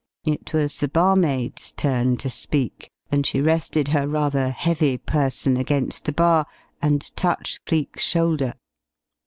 It was the barmaid's turn to speak, and she rested her rather heavy person against the bar and touched Cleek's shoulder.